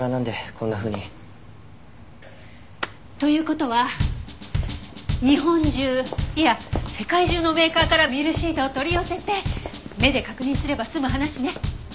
こんなふうに。という事は日本中いや世界中のメーカーからミルシートを取り寄せて目で確認すれば済む話ね。